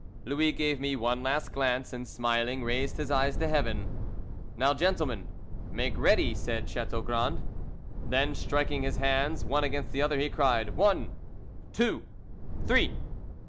Louis gave me one last glance, and smiling, raised his eyes to heaven. "Now, gentlemen, make ready," said Chateaugrand. Then, striking his hands one against the other, he cried "One! Two! Three!"